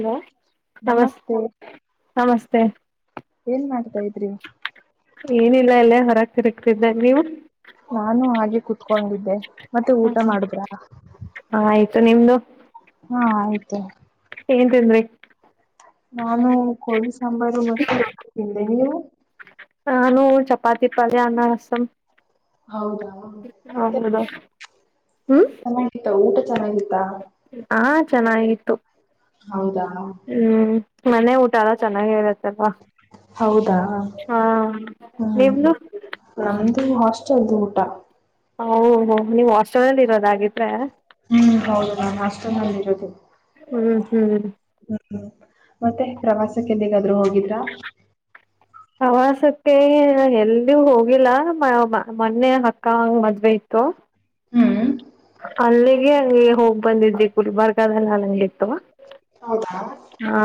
Hello ನಮಸ್ ನಮಸ್ತೆ ನಮಸ್ತೆ. ಏನ್ ಮಾಡ್ತಾ ಇದೀರಿ ಏನಿಲ್ಲ ಎಲ್ಲ ಹೊರಾಗ್ ನಾನು ಹಾಗೆ ಕುೂತ್ಕೊಂಡಿದ್ದೆ ಮತ್ತೆ ಹ ಊಟ ಮಾಡುದ್ರ. ಆಯ್ತು ನಿಮ್ದು ಹಾ ಅಯ್ತು ಏನ್ ತಿಂದ್ರಿ. ನಾನು ಕೋಳಿ ಸಾಂಬಾರು ಮತ್ತೆ ರೊಟ್ಟಿ ತಿಂದೆ ನೀವು ನಾನು ಚಪಾತಿ ಪಳಯ ಅನ್ನಾರಸಂ. ಹೌದಾ, ಮತ್ತೆ ಚೆನ್ನ ಊಟ?.. [inaudible] ಹ. [inaudible] ಹ. [inaudible] ಚೆನ್ನಾಗಿತ್ತು ಹೌದಾ ಹ್ಮ್ ಮನೆ ಊಟ ಅಲ್ಲ ಚೆನ್ನಾಗ ಇರುತ್ತೆ ಯಪ್ಪಾ ಹೌದಾ ಹಾ ನಿಮ್ಧು. ಚಂದಗುಟ ಹ ನೀವು್ ಹಾಸ್ಟೆಲ್ ನಲ್ಲಿ [inaudible] ಇರೋದಾಗಿದ್ರೆ? ಹ್ಮ್ ಹೌದು ನಾಮ್ ಅಷ್ಟೇ ನಲ್ಲಿ ಇರುದು ಹ್ಮ್ ಹ್ಮ್ ಹ್ಮ್ ಮತ್ತೆ ಪ್ರವಾಸಕ್ಕೆಂದಿಗಾಧರು ಹೋಗಿದ್ರಾ ಪ್ರವಾಸಕ್ಕೆ ಎಲ್ಲಿ ಹೋಗಿಲ್ಲ ಮೊನ್ನೆ ಅಕ್ಕ ಹಂಗ ಮದ್ವೆ ಇತ್ತು. ಹ್ಮ್ ಅಲ್ಲಿಗೆಗೆ ಹೋಗ್ ಬಂದಿದ್ದಿ ಗುಲ್ಬರ್ಗಾದಲ್ಲ ಅಲ್ಲಂಗ ಇತ್ತುವಾ. ಹೌದಾ ಹಾ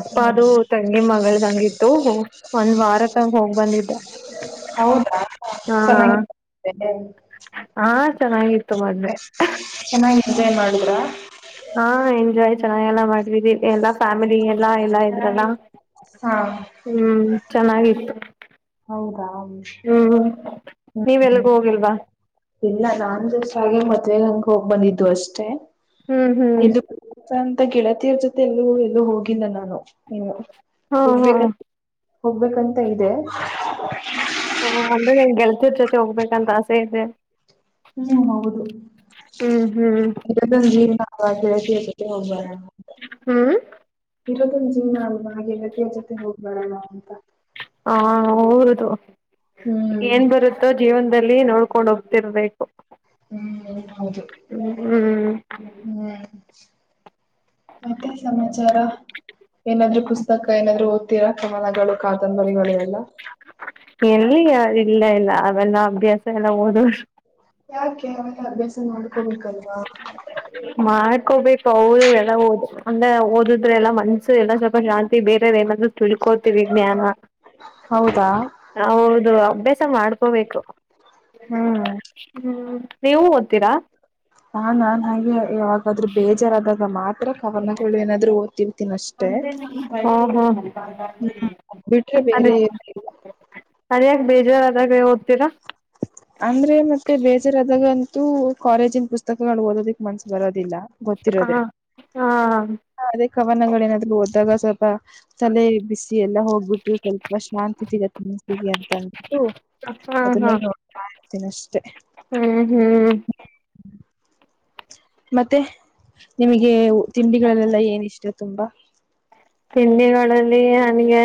ಅಪ್ಪ ಹ್ಮ್ ಅದು ತಂಗಿ ಮಗಳದಂಗಿತ್ತು ಒಂದ್ ವಾರ ತಂಗ ಹೋಗ್ ಬಂದಿದ್ದ ಹೌದಾ ಚೆನ್ನಾಗಿ ಹಾ ಚೆನ್ನಾಗಿತ್ತು ಮದೆ ಇದೇನ್ ಮಾಡಿದ್ರಾ ಹಾ ಎಂಜಾಯ್ ಚೆನ್ನಾಗೆಲ್ಲ ಮಾಡಿದಿ ಎಲ್ಲಾ ಫ್ಯಾಮಿಲಿ ಎಲ್ಲಾ ಎಲ್ಲಾ ಇದ್ರಲ್ಲ ಹಾ ಹ್ಮ್ ಚೆನ್ನಾಗಿತ್ತು ಹೌದಾ ಹ್ಮ್ ಹ್ಮ್ ನೀವೆಲ್ಗೂ ಹೋಗಿಲ್ವಾ ಇಲ್ಲ ನಾನ್ ಜಸ್ಟ್ ಹಾಗೆ ಮದ್ವೆ ಅಂಗ್ ಹೋಗ್ ಬಂದಿದ್ದು ಅಷ್ಟೇ ಹ್ಮ್ ಹ್ಮ್ ಅಂತಂದು ಗೆಳತಿಯರ್ ಜೊತೆ ಎಲ್ಲೂ ಎಲ್ಲೂ ಹೋಗಿಲ್ಲ ನಾನು ಇನ್ನು ಹಾ ಹಾ ಹೋಗ್ಬೇಕ ಹೋಗ್ಬೇಕಂತ ಇದೆ ಓ ಅಂದ್ರೆ ನಿನ್ಗ್ ಗೆಳ್ತಿರ್ ಜೊತೆ ಹೋಗ್ಬೇಕಂತ ಆಸೆ ಇದೆ ಹ್ಮ್ ಹೌದು ಹ್ಮ್ [unintelligible] ಹ್ಮ್ [unintelligible] ಹೋಗ್ ಬರಣ ಹ್ಮ್ ಇರೋದೊಂದ್ ಜೀವ್ನ ಅಲ್ವ ಗೆಳತಿಯರ್ ಜೊತೆ ಹೋಗ್ಬರಣ ಅಂತ ಹಾ ಹೌದು ಹ್ಮ್ ಏನ್ ಬರುತ್ತೋ ಜೀವನದಲ್ಲಿ ನೋಡ್ಕೊಂಡ್ ಹೋಗ್ತಿರ್ದ ಹ್ಮ್ ಹೌದು ಹ್ಮ್ ಹ್ಮ್ ಹ್ಮ್ ಮತ್ತೆ ಸಮಾಚಾರ ಏನಾದ್ರು ಪುಸ್ತಕ ಏನಾದ್ರು ಓದ್ತೀರಾ ಕವನಗಳು ಕಾದಂಬರಿಗಳು ಎಲ್ಲ ಎಲ್ಲಿ ಇಲ್ಲ ಇಲ್ಲ ಅವೆಲ್ಲ ಅಭ್ಯಾಸ ಎಲ್ಲ ಓದೋದು ಯಾಕೆ ಅವೆಲ್ಲ ಅಭ್ಯಾಸ ಮಾಡ್ಕೋಬೇಕಲ್ವಾ ಮಾಡ್ಕೋಬೇಕು ಹೌದು ಎಲ್ಲ ದ ಅಂದ್ರೆ ಓದಿದ್ರೆಲ್ಲಾ ಮನ್ಸು ಎಲ್ಲ ಸ್ವಲ್ಪ ಶಾಂತಿ ಬೇರೆದ್ ಏನಾದ್ರು ತಿಳ್ಕೋತೀವಿ ಜ್ಞಾನ, ಹೌದಾ ಹೌದು ಅಭ್ಯಾಸ ಮಾಡ್ಕೋಬೇಕು ಹ್ಮ್ ಹ್ಮ್ ನೀವು ಓದ್ತೀರಾ? ಹ ನಾ ಹಾಗೆ ಯಾವಾಗಾದ್ರೂ ಬೇಜಾರಾದಾಗ ಮಾತ್ರ ಕವನಗಳು ಏನಾದ್ರು ಓದ್ತಿರ್ತೀನಿ ಅಷ್ಟೆ ಹಾ ಹಾ ಹ್ಮ ಬಿಟ್ರೆ ಅದೇ ಬೇರೆ ಏನು ಇಲ್ಲ ಅದ್ಯಾಕ್ ಬೇಜಾರದಾಗ? ಅಂದ್ರೆ ಮತ್ತೆ ಬೇಜಾರಾದಾಗ ಕಾಲೇಜಿನ ಪುಸ್ತಕಗಳು ಓದೋದಿಕ್ ಮನ್ಸ್ ಬರೋದಿಲ್ಲ ಗೊತ್ತಿರೋದೇ ಹ ಹಾ ಅದೇ ಕವನಗಳ ಏನಾದ್ರು ಓದ್ದಾಗ. [unintelligible] ತಲೆ ಬಿಸಿ ಎಲ್ಲಾ ಹೋಗ್ಬಿಟ್ಟು ಸ್ವಲ್ಪ ಶಾಂತಿ ಸಿಗತ್ತೆ ಮನಸ್ಸಿಗೆ ಅಂತ ಅಂದ್ಬಿಟ್ಟು ಹಾ ಅದನ್ನ ಹಾ ನೋಡ್ತಾ ಇರ್ತೀನಿ ಅಷ್ಟೆ ಹ್ಮ್ ಹ್ಮ್. ಮತ್ತೆ ನಿಮ್ ಗ ತಿಂಡಿಗಳಲ್ಲೆಲ್ಲ ಏನ್ ಇಷ್ಟ? ತುಂಬ ತಿಂಡಿಗಳಲ್ಲಿ ನನಿಗೆ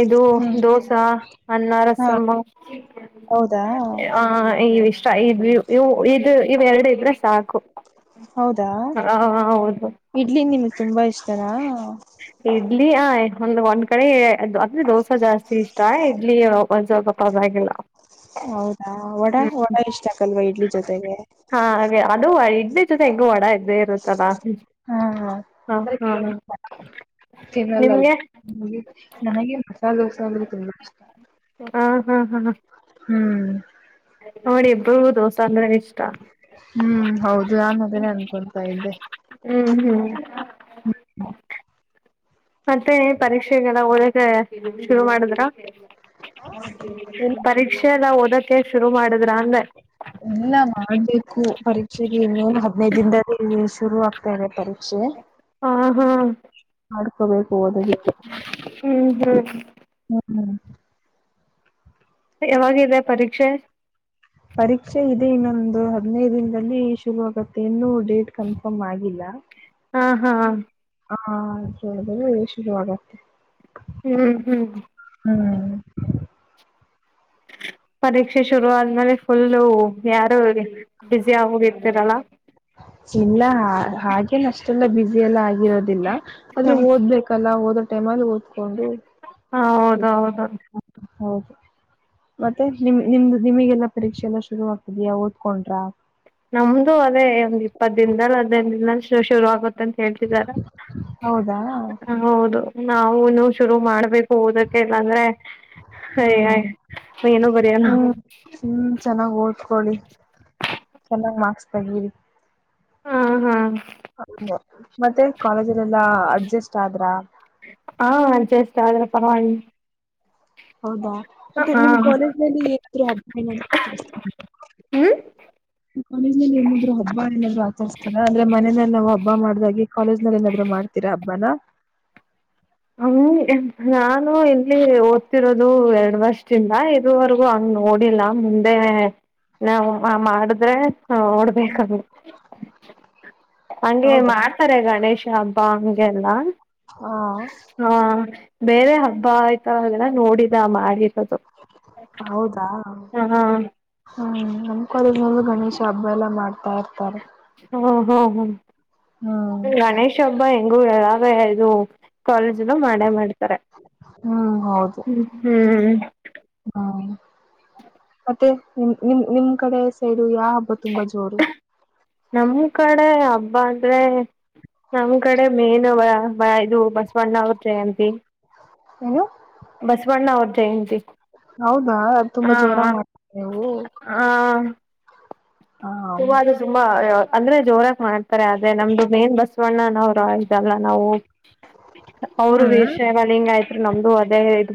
ಇದು ಹ್ಮ್ ದೋಸಾ ಅನ್ನ ಹಾ ರಸಮ್ಮ ಹೌದಾ ಆ ಈಷ್ಟ. ಇ ಇದು ಇವ ಎರಡು ಇದ್ರೆ ಸಾಕು. ಹೌದಾ ಹ ಹೌದು ಇಡ್ಲಿ ನಿಮಗ್ ತುಂಬಾ ಇಷ್ಟನಾ. ಇಡ್ಲಿ ಆ ಒಂದಂದು್ ಒಂದ್ ಕಡೆ ಅಂದ್ರೆ ದೋಸೆ ಜಾಸ್ತಿ ಇಷ್ಟ ಇಡ್ಲಿ ಒಸಗಪ್ಪ ಅಾಗಿಲ್ಲ. ಹೌದಾ ಒಡ ಒಡ ಇಷ್ಟ ಆಕಲ್ಲ. ಹಾ ಹಾಗೆ ಅದು. ಎ ಚ ತಂಗ ಮ ಮಾಡಡ. ಹಾ ಹ ಹಾ ತಿನ್ನಲ್ಲ ನಿಮ್ಗೆ ನನಗೆ ಮಸಾಲೆ ದೋಸ. ಹ್ಮ ಹ್ಮ್ ಹ್ಮ್. ಹ್ಮ್. ನೋಡಿಬೌದು ಚಂದ್ರ ಇಷ್ಟ. ಹ್ಮ್ ಹೌದು ನನ್ ಅದನೇ ಅನ್ಕೊಳ್ತಾ ಇದ್ದೆ ಹ್ಮ್ ಹ್ಮ್ ಹ್ಮ. ಮತ್ತೆ ಪರೀಕ್ಷೆಗಳಲ್ಲ ಓದಕ್ಕೆ ಶುರು ಮಾಡಿದ್ರ. ಪರೀಕ್ಷೆಲ್ಲಾ. ಶುರು ಮಾಡ. ಎಲ್ಲ ಮಾಡ್ಬೇಕು ಪರೀಕ್ಷೆಗೆ ಇನ್ನೊ ಹದ್ಿನೈದ ದಿನ. ಶುರು ಆಗ್ತನೆ ಪರಿಕ್ಷೆ. ಸು ಹ ಹಾ ಮಾಡಡ್ಕೋಬೇಕು ಓದದಿಕ್ಕೆ ಹ ಹ್ಮ್ ಹ್ಮ್ ಯಾವಾಗಿದೆ ಪರೀಕ್ಷೆ ಪರೀಕ್ಷೆ ಇದೆ ಇನ್ನೊಂದು ಹದ್ನೈದು ದಿನದಲ್ಲಿ ಶುರು ಆಗುತ್ತೆ ಇನ್ನು ಹ ಡೇಟ್ ಕನ್ಫರ್ಮ್ ಆಗಿಲ್ಲ ಹಾ ಹಾ ಹಾದು ಶುರುವಾಗತ್ತೆ ಹ್ಮ್ ಹ್ಮ್ ಪರೀಕ್ಷೆ ಶುರು ಆದ್ಮೇಲೆ ಫುಲ್ಲು ಯಾರು ಬ್ಯುಸಿ ಆಗೋಗಿರ್ತರಲ್ಲ ಇಲ್ಲ ಹಾಗೇನು ಅಷ್ಟೆಲ್ಲ ಬಿಸಿ ಎಲ್ಲ ಇರೋದಿಲ್ಲ ಆದ್ರೆ ಹ್ಮ್ ಓದ್ಬೇಕಲ್ಲ ಓದ ಟೆಮಲ್ಲಿ ಓದಕೊಂಡು ಹ ಹೌದ ಹೌದೌದು ಹೌದು ಮತ್ತೆ ನಿಮ್ ನಿಮ್ದ ನಿಮಗೆಲ್ಲಾ ಪರೀಕ್ಷೆ ಎಲ್ಲ ಶುರು ಆಗ್ತಿದಯಾ ಓದ್ಕೊಂಡ್ರ. ನಮ್ದು ಅದೇ ಒಂದ್ ಇಪ್ಪತ್ ದಿನದ್ಲ ಹದ್ನೈದ್ ದಿನ್ದಲ್ ಶ ಶುರು ಆಗುತ್ ತಂತ್ ಹೇಳ್ತಿದಾರ ಹೌದಾ ಹೌದು. ನಾವುನು ಶುರು ಮಾಡ್ಬೇಕ್. ಹೋದಕ್ಕೆ ಬಂದ್ರೆ ಅಯ್ ಹ್ಮ್ ಅಯ್ ಏನು ಬರ್ಯಲ್ಲ. ಹ್ಮ್ ಹ್ಮ್ ಚೆನ್ನಾಗ್ ರ್ಕ್ಸ್ ತೆಗೀರಿ. ಹ್ಮ್ ಹ್ಮ್ ಹ ಮತ್ತೆ ಕಾಲೇಜ್ಲೆಲ್ಲ ಅಡ್ಜಸ್ಟ್ ಆದ್ರ. ಹಾ ಅಜೆಸ್ಟ್ ಆದ್ರ ಪರ್ವೈ. ಹೌದಾ ಮತ್ತೆ ನಿಮ್ ಕಾಲೇಜ್ಲಿ ಏನಾದ್ರು ಹಬ್ಬ ಹ್ಮ್ ಏನಾದ್ರು ಹಬ್ಬ ಏನಾದ್ರೂ ಆಗ್ ಆಚಾರುಸ್ತಾರ ಅಂದ್ರೆ ಮನೇ ನಾವ್ ಹಬ್ಬ ಮಾಡುವಾಗೆ. ಕಾಲೇಜ್ನಲ್ ಏನಾದ್ರು ಮಾಡ್ತೀರಾ ಹಬ್ಬಾನ. ಹೌ ನಾನು ಇಲ್ಲಿ ಓದ್ತಿರೋದು ಎರಡ್ ವರ್ಷದಿಂದ ಇದುವರ್ಗೂ ಹಂಗ್ ನೋಡಿಲ್ಲ ಮುಂದೆ ನಾವ್ ಮಾಡುದ್ರೆ ನೋಡಬೇಕ್. ಹಂಗೆ ಹೌದಾ ಮಾಡ್ತಾರೆ ಗಣೇಶ ಹಬ್ ಪಾಮ್ಗೆಲ್ಲಾ. [inaudible] ಹಾ ಬೇರೆ ಹಬ್ಬ ಆಯ್ ತಾವಗೆಲ್ಲ ನೋಡಿಲ್ಲ ಮಾಡಿಲ್ ಹೌದಾ ಹ ಹ್ಮ್ ಹ್ಮ್ ಕಾಲೇಜ್ನಲ್ಲಿ ಗಣೇಶ ಹಬ್ಬ ಎಲ್ಲ ಮಾಡ್ ಪರ್ತರೆ. ಹ್ಮ ಹ್ಮ ಹ್ಮ. ಹ್ಮ್ ಬ ಹೆಂಗೂ [unintelligible] ಇದು. ಕಾಲೇಜಲ್ಲೂ ಮಾಡೇ ಮಾಡ್ತಾರೆ ಹೌದು ಹ್ಮ ಹ್ಮ್. ಹ್ಮ್ ಮತ್ತೆ ನಿಮ್ ನಿಮ್ ನಿಮ್ ಕಡೆ ಸೈ ಡು ಯಾವ್ ಹಬ್ಬ ತುಂಬಾ ಜೋರು. ನಮ್ ಕಡೆ ಹಬ್ಬ ಅಂದ್ರೆ ನಮ್ ಕಡೆ ಮೇನ್ ಬ ಇದು ಬಸವಣ್ಣ ಅವ್ರ್ ಜಯಂತಿ. ಏನು ಬಸ್ವಣ್ಣ ಅವ್ರ್ದ್. ಜಯಂತಿ ಹೌದಾ ತುಂಬಾ ಹಾ ಜೋರಗ್ ಮಾಡ್ತರ ನೀವು. ಹಾ ಸಿಂಹದ್ರಿಯ ಸಿಂಹ ಯ ಅಂದ್ರೆ ಜೋರಾಗ್ ಮಾಡ್ ತರೆ ಅದ್ರೆ ನಮ್ದು ಮೇನ್ ಬಸ್ ಸಣ್ಣ ನಾವ್ರ ಅಳಿದ್ ಅಲ್ಲ ನಾವು. ಅವ್ರು ಹ್ಮ್ ವೀರಶೈವ ಲಿಂಗಾಯತೃ ನಮ್ದು ಅದೆ. ದೆ ಹೇಳಿದು.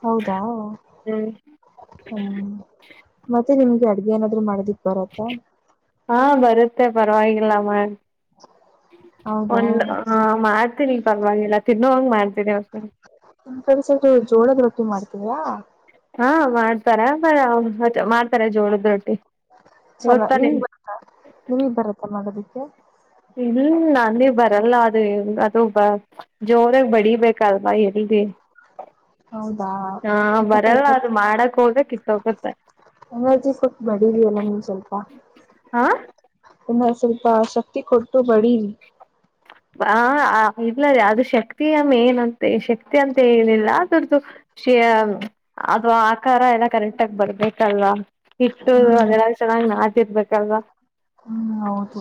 ಹೌದಾ ಹ್ಮ್ ಹ್ಮ ಮತ್ತೆ ನಿಮ್ಗೆ ಅಡ್ ಏನಾದ್ರು ಮಾಡೋದಿಕ್ ಬರತ್ತ. ಹಾಂ ಬರುತ್ತೆ ಪರವಾಗಿಲ್ಲಾ ಮ ಹೌದಾ ಒಂದ್ ಆ ಮಾಡ್ತೀನಿ ಪರ್ವಾಗಿಲ್ಲ ತಿನ್ನೋವಂಗ್ ಮಾಡ್ತೀನಿ ಓಕೆನ. ಟ್ಟಿ ಮಾಡ್ತೀರಾ. ಹಾ ಮಾಡ್ತಾರೆ ಬರೆ ಜೋಳದ್ ರೊಟ್ಟಿ. ಚಲ ಗೊತ್ತಾ ನಿಮ್ಗ್ ನಿಮ್ ಬರ್ತ್ತಾ ನೀಮಿಗ್ ಬರುತ್ತಾ ಮಾಡೋದಿಕ್ಕೆ. ಇಲ್ಲ ನಾನೇ ಬರಲ್ಲ ಅದು ಅದು ಬ ಜೋರಾಗ್ ಬಡಿಬೇಕಲ್ವಾ ಯಲ್ಲಿ. ಹೌದಾ ಇಪ್ಪತ್ ಬರಲ್ಲ ಅದು ಐದ್ರಲ್ಲಿ ಮಾಡಕ್ ಹೋಗ ಕಿತ್ತೋಗುತ್ತೆ ಎನರ್ಜಿ ಫುಡ್ ಬಡಿಲ್ಲಿ ಎಲ್ಲ ಸ್ವಲ್ಪ. ಹಾ ಇನ್ನ ಸ್ವಲ್ಪ ಶಕ್ತಿ ಕೊಟ್ಟು ಬಡಿನ್. ಆ ಇಲ್ಲ ಅದು ಶಕ್ತಿಯ ಮೇನ್ಂತೆ ಶಕ್ತಿ ಅಂತ ಏನಿಲ್ಲ ಅರ್ದುದು ಶಿಯ ಅದು ಆಕಾರ ಎಲ್ಲ ಕರೆಕ್ಟ್ ಆಗ್ ಬರ್ಬೇಕಲ್ವಾ. ಹಿಟ್ಟು ಹ್ಮ್ ಅದೆಲ್ಲ ಚೆನ್ನ್ಗ್ ನಾದ್ ತಿರ್ರ್ಬೇಕಲ್ವಾ. ಹ್ಮ್ ಹೌದು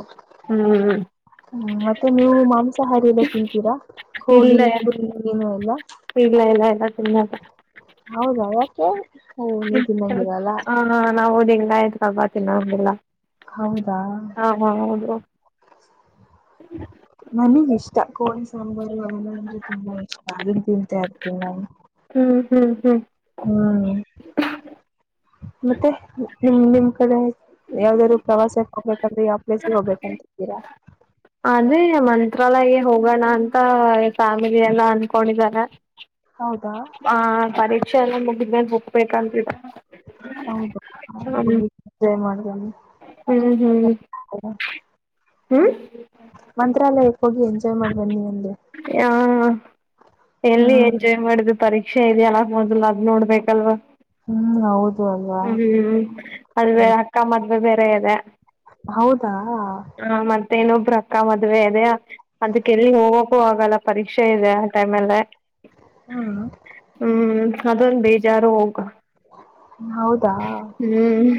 ಹ್ಮ ಮತ್ತೆನ್ ನೀವು ಮಾಂಸಾಹಾರಿ ಎಲ್ಲ ತಿಂತೀರಾ ಕೋಳಿ ಇಲ್ಲ ಕುರಿ ಮಿನು ಎಲ್ಲ. ಇಲ್ಲ ಇಲ್ಲ ಇಲ್ಲ ತಿನ್ನಲ್ಲ. ಹೌದಾ ಯಾಕೆ ನೀವ್ ತಿನಂಗ್ ಇರಲ್ಲ. ಕಾ ಹಬ್ಬ ತಿನ್ನೊ ಹಂಗಿಲ್ಲ. ಹೌದಾ ತ ಕೋಳಿ ಸಾಂಬಾರು ಎಲ್ಲ ಅಂದ್ರೆ ತುಂಬಾ ಇಷ್ಟ ಅದನ್ನ್ ತಿಂತಾ ಇರ್ತೀನ್ ನಾನು. ಹ್ಮ್ ಹ್ಮ್ ಹ್ಮ್ ಹ್ಮ್ ಮತ್ತೆ ನಿಮ್ ನಿಮ್ ಕಡೆ ಯಾವ್ದಾದ್ರು ಪ್ರವಾಸಕ್ ಹೋಗ್ಬೇಕಂದ್ರೆ ಯಾವ್ ಪ್ಲೇಸ್ಗೆ ಹೋಗ್ಬೇಕಂತಿದ್ದೀರಾ. ಅದೇ ಮಂತ್ರಾಲಯಗೆ ಹೋಗೋಣ ಅಂತ ಫ್ಯಾಮಿಲಿ ಎಲ್ಲ ಅನ್ಕೊಂಡಿದ್ದಾರೆ. ಹೌದಾ ಹಾ ಪರೀಕ್ಷೆ ಎಲ್ಲ ಮುಗ್ [unintelligible] ಪೆ ಕಂಪ್ಲೀಟ ಹ್ಮ್. ಒನ್ ಹ್ಮ್ ಹ್ಮ್ ಹ್ಮ ಮಂತ್ರಾಲಯಕ್ಕೆ ಹೋಗಿ ಎಂಜಾಯ್ ಮಾಡ್ ಬನ್ನಿ ಒನ್ ಹ ಎಲ್ಲಿ ಹ್ಮ್ ಎಂಜಾಯ್ ಮಾಡಿದು ಪರೀಕ್ಷೆ ಇದ್ ಎಲ್ಲ ಮೊದಲ್ ನೋಡ್ಬೇಕಲ್ವಾ ಹ್ಮ್ ಹೌದು ಅಲ್ವಾ ಹ್ಮ ಹ್ಮ್ ಅದೇ ಅಕ್ಕ ಮದ್ುವೆ ಬೇರೆ ಅದ ಹೌದಾ ಮೇನೊಬ್ರ ಅಕ್ಕ ಮದ್ವೆ ಅದ ಅದಕ್ಕೆಲ್ಲಿ ಹೋಗ ಹ ಆಗಲ್ಲ ಪರೀಕ್ಷೆ ಇದೆ ಆ ಟೈಮ ಅಲ್ಲ ಹ್ಮ್ ಅದೊಂದು ಬೇಜಾರು ಹೋಗ ಹೌದಾ ಹ್ಮ್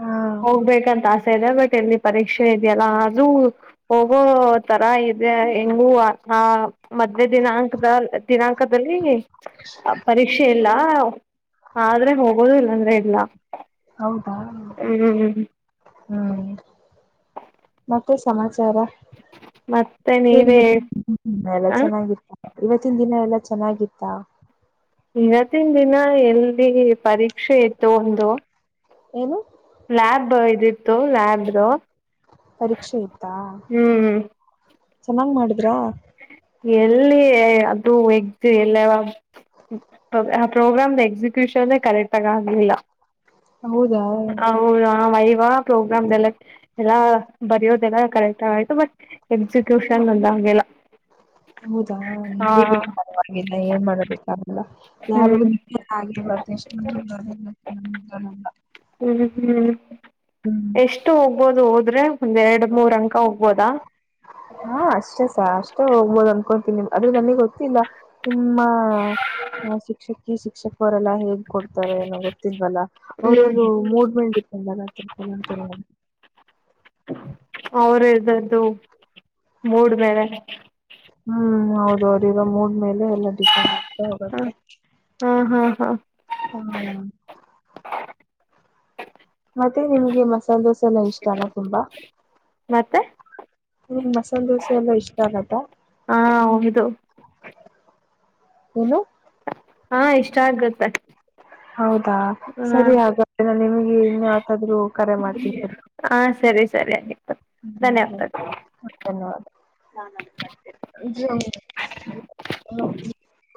ಹಾ ಹೋಗ್ಬೇಕಂತ ಆಸ್ ಇದೆ ಬಟ್ ಎಲ್ಲಿ ಪರೀಕ್ಷೆ ಇದೆಯಲ್ಲ ಅೂ ಹೋಗೋ ತರ ಇ ಹೆಂಗೂ ಆ ಮಧ್ಯ ದಿನಾಂಕದ ದಿನಾಂಕದಲ್ಲಿ ಪರೀಕ್ಷೆ ಇಲ್ಲ ಆದ್ರೆ ಹೋಗ ಂದ್ರ ಇಡ್ಲ್ಲಾ ಹೌದಾ ಹ್ಮ್ ಮತ್ತೆ ಸಮಾಜ ಮತ್ತೆ ೇ ನೀವೇ ಎಲ್ಲ ಹ ಚೆನ್ನಾಗಿತ್ತು ಇವತ್ತಿನ ದಿನ ಎಲ್ಲ ಚೆನ್ನಾಗಿದ್ದ ಇವತ್ತಿನ ದಿನ ಎಲ್ಲಿ ಪರೀಕ್ಷೆ ಇತ್ತು ಒಂದು ಏನು ಲ್ಯಾಬ್ ಇದಿತ್ತು ಲ್ಯಾಬ್್ದ ಪರೀಕ್ಷೆ ಇ್ದಾ ಚೆನ್ನಾಗ್ ಮಾಡಿದ್ರಾ ಎಲ್ಲಿ ಅದು ಎಿ ಎಲ್ಲ ಆ ಪ್ರೋಗ್ರಾಮ್ ಎಕ್ಸಿಕ್ಯೂಷನ್ೇ ಕರೆಕ್ಟ್ ಆಗ ಆಗ್ಲಿಲ್ಲ ಹೌದಾ ಹದಾ ವೈವಾ ಪ್ರೋಗ್ರಾಮ್ ಎಲ್ಲ ಎಲ್ಲ ಬರೆಯೋದೆಲ್ಲ ಕರೆಕ್ಟ್ ಆಗಯ್ತು ಬಟ್ ಎಕ್ಸಿಕ್ಯೂಷನ್ ಒಂದೆಲ್ಲ ಹೌದಾವಾಗಿಲ್ಲ ಏನ್ ಮಾಡದಲ್ಲ ಹ್ಮ್ ಯಾವ ಹ್ಮ್ ಹ್ಮ್ ಹ್ಮ್ ಎಷ್ಟು ಹೋಗ್ಬೋದು ಹೋದ್ರೆ ಒಂದ ಎರಡು ಮೂರಕ ಹಾ ಅಷ್ಟೇಸ ಅಷ್ಟ ಹೋಗಬೋದು ಅನ್ಕೊಂತೀನಿಮ ಅ್ರೆ ನನಗೆೊ ಇಲ್ಲ ನಿಮ್ಮ ಶಿಕ್ಷಕ ಶಿಕ್ಷಕ ಕರಲ್ಲ ಕೊಡ್ತಾರೆ ಏನೋ ಗೊತ್ತಿಲ್ವಲ್ಲ ಹ್ಮ್ ಅವ್ರವರು ಮೂಡ್ ಮೇ ಡಿಪೆಂಡ್ ಆಗ ಅವ್ರ ಇದ್ದದ್ದು ಮೂಡ್ ಮೇಲೆ ಹ್ಮ್ ಹೌದು ಅವ್ರಿರೋ ಮೂಡ್ ಮೇಲೆ ಎಲ್ಲಾ ಡಿಪೆಂಡ್ ಆಗ್ತಾ ಹ ಹೋಗತ್ತೆ ಹಾ ಹಾ ಹಾ ಹಾ ಮತ್ತೆ ನಿಮ್ಗೆ ಮಸಾಲ್ ದೋಸೆ ಎಲ್ಲ ಇಷ್ಟನಾ ತುಂಬಾ, ಮತ್ತೆ ನಿಮ್ ಮಸಲ್ ದೋಸೆ ಎಲ್ಲ ಇಷ್ಟ ಆಗುತ್ತಾ? ಹಾ ಹೌದು ಏನು ಹಾ ಇಷ್ಟ ಆಗುತ್ತೆ ಹೌದಾ ಹ ಸರಿ ಹಾಗಾದ್ರೆ ನಾನ್ ನಿಮ್ಗೆ ಇನ್ಯಾವತ್ತಾದ್ರು ಕರೆ ಮಾಡ್ತಿನ್ ಹಾ ಸರಿ ಸರಿ ಹ್ಮ್ ಹ್ಮ್ ಧನ್ಯವಾದಗಳು ಧನ್ಯವಾದ ಹಾ ಹಾ ಇ ಜು [inaudible]